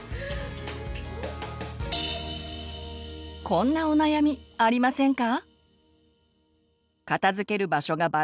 こんなお悩みありませんか？